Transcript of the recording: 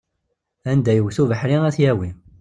Anda yewwet ubeḥri ad t-yawi.